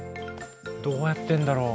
どうやってんだろう？